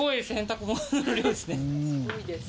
すごいです。